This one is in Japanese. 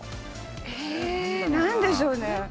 え何でしょうね。